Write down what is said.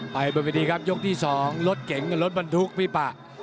ไปบนวิธีครับยกที่๒รถเก๋งกับรถบรรทุกพี่ปะ